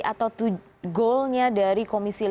atau goalnya dari komisi lima